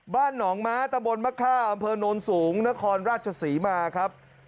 บ้านหนองม้าตะบนมะค่าอำเภอโนนสูงนครราชศรีมาครับ